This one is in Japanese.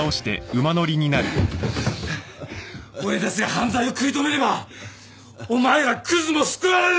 俺たちが犯罪を食い止めればお前らくずも救われる！